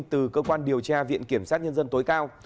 từ cơ quan điều tra viện kiểm sát nhân dân tối cao